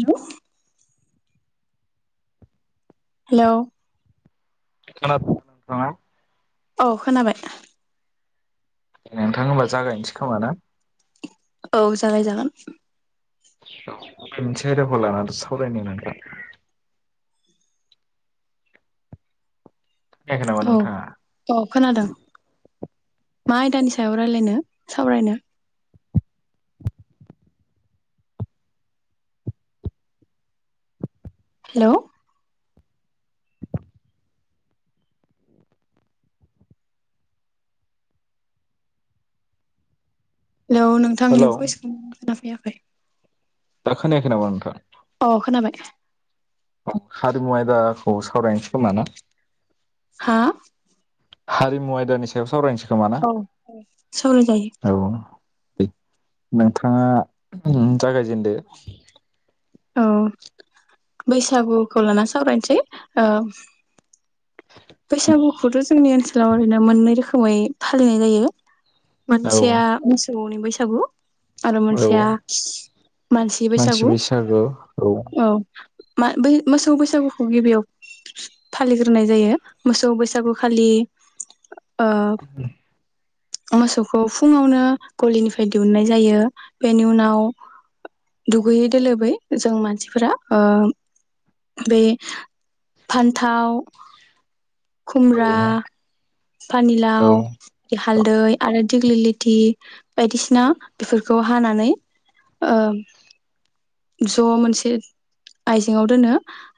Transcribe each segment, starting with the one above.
हेल। हेल। खोनादों ना नोंथां? औ खोनाबाय। दे नोंथां होमबा जागायनोसै खोमा ना? औ जागाय जागोन। मोनसे आयदाखौ लानानै सावरायनो नोंथां। खोनायाखै नामा औ नोंथाङा औ खोनादों। मा आयदानि सायाव राय्लायनो सावरायनो? हेल। हेल नोंथांनि हेलौ भइसखौ खोनाफैया। दा खोनायाखै नामा नोंथां? अ खोनाबाय औ हारिमु आयदाखौ सावरायनोसै खोमा ना? हा? हारिमु आयदानि सायाव सावरायनस औ औ सावराय जायो। दे नोंथाङा उम जागायजेनदो। औ बैसागुखौ लानानानै सावरायनसै ओ। बैसागुखौथ' जोंनि ओनसोलाव ओरैनो मोननै रोखोमै फालिनाय जायो। औ मानसेया मोसौनि बैसा सागु आरो औ मोनसेया मानसि बैसागु औ। मा बै मोसौ बैसागुखौ गिबियाव फालिग्रोनाय जायो। मोसौ बैसागु खालि ओ उम। मोसौखौ फुङावनो गलिनिफ्राय दिहुननाय जायो। बेनि उनाव दुगैयै दोलोबै जों मानसिफोरा ओ बे फान्थाव औ खुम्ब्रा औ पानिलाव बे हालदै आरो दिग्लिलिथि बायदिसिना बेफोरखौ हानानै ओ ज' मोनसे आइजेङाव दोनो।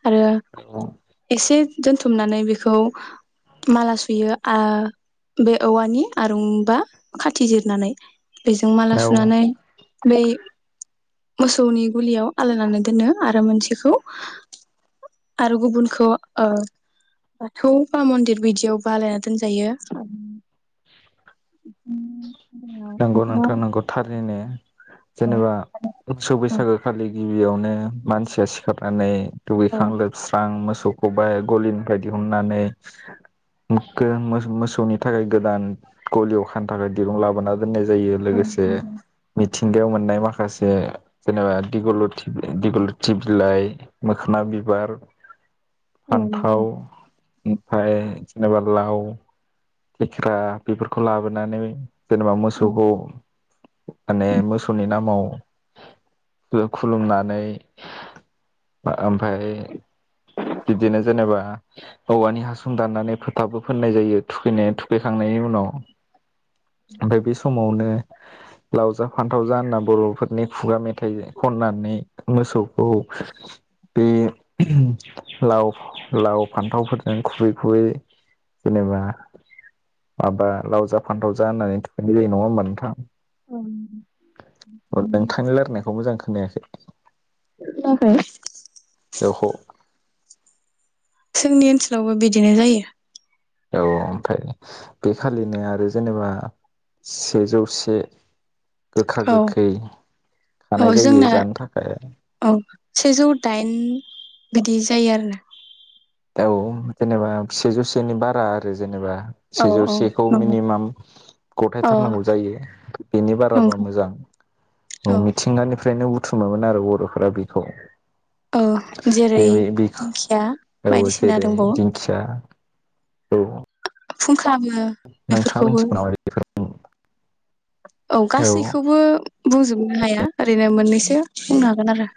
आरो औ एसे दोनथुमनानै बेखौ माला सुयो। आ बे औवानि आरुंबा खाथि जिरनानै। बेजों माला औ सुनानै बै मोसौनि गुलियाव आलायनानै दोनो आरो मोनसेखौ आरो गुबुनखौ ओ बाथौ बा मन्दिर बिदियावबा आलायना दोनजायो। उम नंगौ नोंथां नांगौ थारैनो। जेनेबा उसु बैसागो खालि गिबियावनो मानसिया सिखारनानै दुगैखां लोबस्रां मोस सौखौबो गलिनिफ्राय दिहुननानै मोखो-मोस-मोसौनि थाखाय गोदान ग'लियाव खानो थाखाय दिरुं लाबोना दोननाय जायो लोगोसे म मिथिंगायाव मोननाय माखासे जेनेबा दिग'ल'थि बि दिग'ल'थि बिलाइ मोखोना बिबार फान्थाव ओमफ्राय जेनबा लाव खेख्रा बेफोरखौ लाबोनानै जेनेबा मोसौखौ माने मोसौनि नामाव ख-खुलुमनानै [inaudible] बा ओमफाय बिब्दिनो जेनेबा औवानि हासुं दाननानै फोथाबो फोननाय जायो। थुखैनाय थुखैखांनायनि उनाव ओमफ्राय बे समावनो लाव जा फान्थाव जा होनना बर'फोरनि खुगा मेथाइ खननानै मोसौखौ बे ओहोम लाव-लाव फान्थावफोरजों खुबै खुबै जेनेबा माबा लाव जा फान्थाव जा होननानै थुखैनाय जायो नङा होमबा नोंथां? नोंथांनि लारायनायखौ मोजां खोनायाखै। नाखै? औ खौ [inaudible] जोंनि ओनसोलावबो बिदिनो जायो। औ ओमफ्राय बेखालिनो आरो जेनेबा सेजौ से गोखा औ गोखै औ खानाय जायो जोंना जानो थाखाय औ सेजौ दाइन बिदि जायो आरो ना। औ जेनेबा सेेजौ सेनि बारा आरो जेनेबा। औ सेजौ औ सेखौ नंगौ मिनिमाम औ गथायथारनांगौ जायो बेनि बाराबा नंगौ मोजां औ मिथिंगानिफ्रायनो थुमोमोन आरो बर'फोरा बेखौ औ बे जेरै बे दिंखिया औ बायदिसिना जेरै दंबावो दिंखिया औ फुं खालामो नोंथाङा बेफोरखौबो। मिथिगौ नामा बेफोर औ गासैखौबो बुंजोबनो हाया ओरैनो मोननैसो [unintelligible] बुंनो हागोन आरो।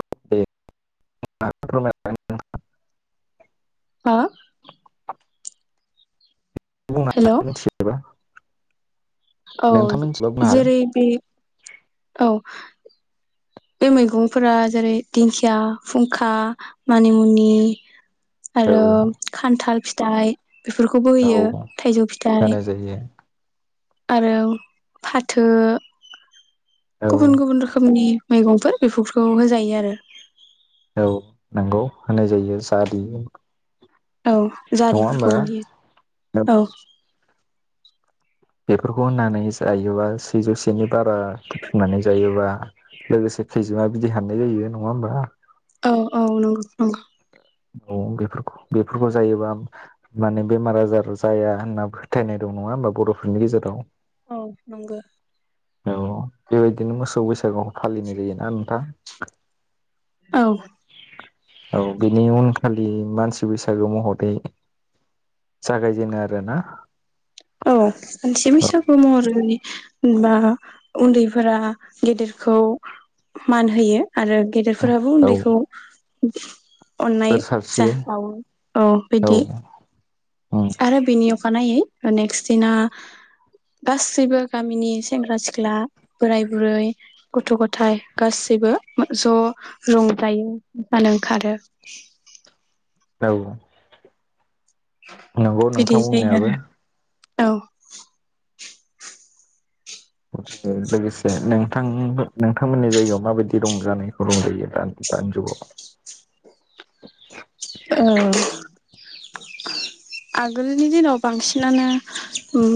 [unintelligible] ओ? बुंना हेलौ [unintelligible] औ हागोन जेरै बे औ। बे मैगंफोरा जेरै दिंखिया, फुंखा, मानिमुनि औ आरो खान्थाल फिथ दाहाय बेफोरखौबो होयो औ थाइजौ फिथाइ होनाय जायो आरो फाथो औ गुबुन गुबुन रोखोमनि। मैगंफोर बेफोरखौ होजायो आरो। औ नंगौ होनाय जायो। जारि नङा औ जारिफोरखौबो होमबा होयो औ। बेफोरखौ होननानै जायोबा सेजौसेनि बारा बुथुमनानै जायोबा लोगोसे खैजोमा बिदै हाननाय जायो नङा होमबा? औ औ नंगौ नंगौ। औ बेफोरखौ बेफोरखौ जायोबा माने बेमार आजार जाया होनना फोथायनाय दं नङा होमबा बर'फोरनि गेजेराव? औ नंगो। औ बेबायदिनो मोसौ बैसा गोखौ फालिनाय जायोना नोंथां? औ। औ बिनि उनखालि मानसि बैसागु महरै जागायजेनो आरोना? औ मानसि औ बैसागु महरै बा उन्दैफोरा गेदेरखौ मान होयो। आरो गेदेरफोराबो औ उन्दैखौ [unintelligible] अननाय बोर जा सारस्रियो बावो औ बिदि औ उम आरो बिनि अखानायै नेक्स्ट दिना गासैबो गामिनि सेंग्रा सिख्ला, बोराय बुरै, गथ' गथाय गासैबो ज' रंजायो मोसानो ओंखारो। औ। नंगौ नोंथां बुंनायाबो। औ। लोगोसे नोंथां नोंथांमोननि जायगायाव माबायदि रंजानायखौ रंजायो दा दानिजुगाव। ओ [unintelligible] आगोलनि दिनाव बांसिनानो।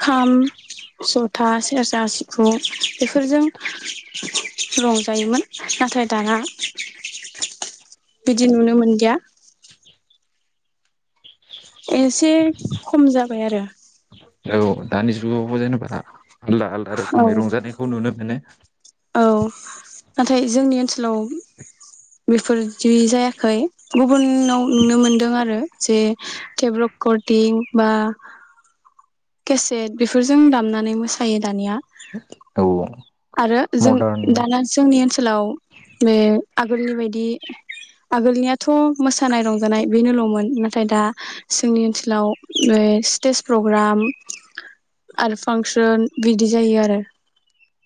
खाम जथा सेरजा सिफुं बेफोरजों रंजायोमोन नाथाय दाना बिदि नुनो मोनलिया। एसे खम जाबाय आरो। औ दानि जुगावबो जेनबा। आलदा आलदा औ रोखोमै रंजानायखौ नुनो मोनो। औ नाथाय जोंनि ओनसोलाव बेफोरदि जायाखै गुबुनाव नुनो मोनदों आरो जे थेप रेकर्डटिं बा। केसेट बेफोरजों दामनानै मोसायो दानिया। औ आरो जों मदार्न दाना जोंनि ओनसोलाव बे आगोलनि बायदि। बिदि आगोलनियाथ' मोसानाय रंजानाय बेनोल'मोन नाथाय दा जोंनि ओनसोलाव ओ स्टेज प्रग्राम। आरो फांसन बिदि जायो आरो।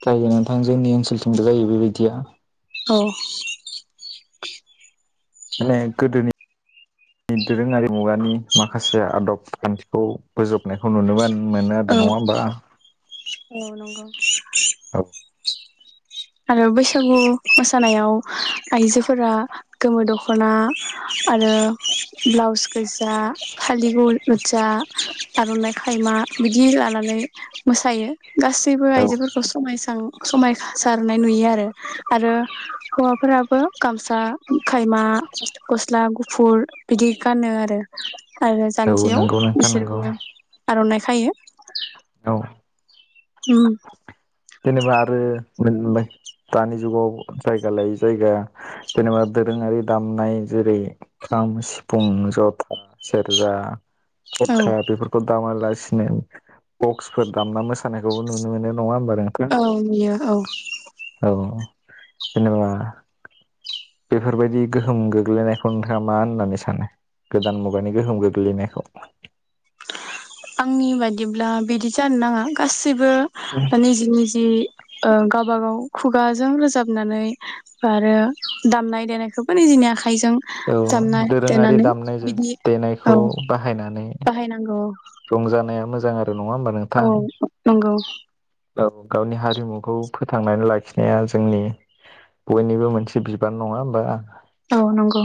जायो नोंथां जोंनि ओनसोलथिंबो जायो बेबायदिया। औ। माने गोदोनि [unintelligible] दोरोङारि मुगानि माखासे आदब खान्थिखौ बोजबनायखौ नुनो मोन। मोनो आदो नङा होमबा। औ नंगौ। [unintelligible] आरो बैसागु मोसानायाव आइजोफोरा गोमो दख'ना आरो। ब्लाउस गोज जा फालि गु जा आर'नाइ खायमा बिदि लानानै मोसायो। गासैबो आइजोफोरखौ समायसो [unintelligible] समायखा सारनाय नुयो आरो आरो हौवाफोराबो गामसा खायमा गस्ला गुफुर बिदि गानो आरो। आरो औ जान्जियाव नंगौ नोंथां नंगौ बिसोरबो। आर'नाइ खायो। औ। उम। जेनेबा आरो मोन [unintelligible] दानि जुगाव जायगा लायै जायगा जेनेबा दोरोङारि दामनाय जेरै खाम सिफुं जथा सेरजा। औ थरखा बेफोरखौ दाम लासिनो बक्सफोर दामना मोसानायखौबो नुनो मोनो नङा होनबा औ नुयो औ। औ जेनेबा बेफोरबायदि गोहोम गोग्लैनायखौ नोंथाङा मा होननानै सानो गोदान मुगानि गोहोम गोग्लैनायखौ। आंनि बायदिब्ला बिदि जानो नाङा गासै सैबो बा निजि निजि। ओ गाबा गाव खुगाजों रोजाबनानै आरो दामनाय देनायखौबो निजिनि आखा औ दोरोङारि दामनाय दे बिदि औ देनायखौ बाहायनानै। बाहायनांगौ। रंजानाया मोजां आरो नङा होमबा औ नोंथां नंगौ औ गावनि हारिमुखौ फोथांनानै लाखिनाया जोंनि बयनिबो मोनसे बिबान नङा होमबा औ नंगौ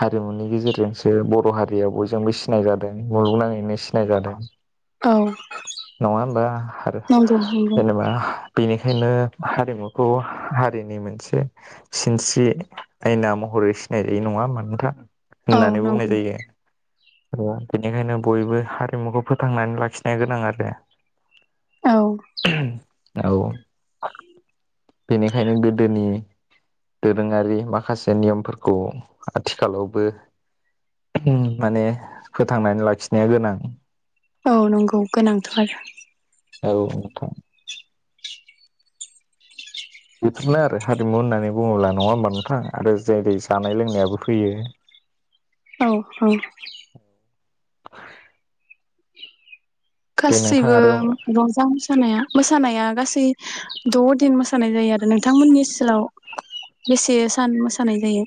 हारिमुनि गेजेरजोंसो बर' हारियाव बयजोंबो सिनाय जादों मुलुगनाङैनो सि नाय जादों औ नङा होमबा आरो नंगौ नंगौ जेनेबा बेनिखायनो हारिमुखौ हा-हारिनि मोनसे सिनस्रि आयना महरै रै नङा होनबा नोंथां? औ होननानै बुंनाय नंगौ जायो बेनिखायनो बयबो हारिमुखौ फोथांनानै लाखिनाया गोनां आरो औ औ बेनिखायनो गोदोनि दोरोङारि माखासे नियमफोर खौ आथिखालावबो माने फोथांनानै लाखिनाया गोनां औ नंगौ गोनांथ' आरो औ नोंथां बेफोरनो आरो हारिमु होननानै बुङोब्ला नङा होमबा नोंथां आरो जेरै जानाय लोंनायाबो फैयो औ औ दे नोंथां गासैबो आरो रंजा मोसानाया मोसानाया गासै द' दिन मोसानाय जायो आरो नोंथांमोननि सोलाव बेसे सान मोसानाय जायो?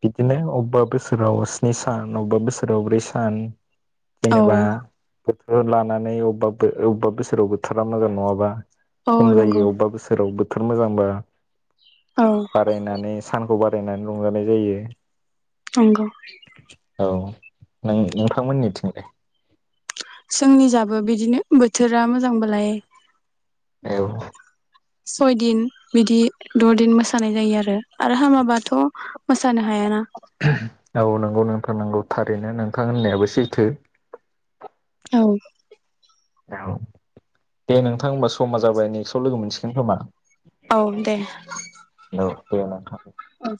बिदिनो अबेबा बोसोराव स्नि सान अबेबा बोसोराव ब्रै सान औ जेनेबा थोर लानानै अबाबा अबेबा बोसोराव बोथारा मोजां नङाबा औ खम नंगौ जायो अबेबा बोसोराव बो थोर मोजांब्ला औ बारायनानै सानखौ बार होनानै रंजानाय जायो नंगौ औ नों नोंथांमोननिथिंलाय? जोंनि जाबो बिदिनो बोथोरा मोजांबालाय औ सयदिन बिदि द'दिन मोसानाय जायो आरो आरो हामाबाथ' मोसानो हायाना औ नंगौ नोंथां नंगौ थार रैनो नोंखां होननायाबो सैथो औ औ दे नोंथां होमबा समा जाबाय नेक्स्टआव लोगो मोनसिगोन खोमा औ दे औ दे नोंथां औ